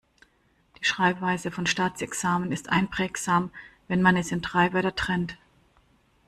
Die Schreibweise von Staatsexamen ist einprägsam, wenn man es in drei Wörter trennt.